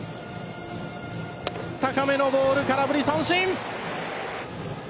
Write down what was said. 高めのボール、空振り三振。